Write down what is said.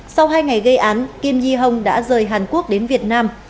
sau hai ngày gây án kim yi hong đã rời hàn quốc đến việt nam